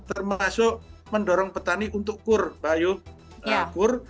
termasuk mendorong petani untuk kur biokur